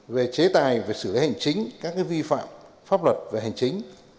về chế tài và xử lý hành chính các vi phạm pháp luật và hành chính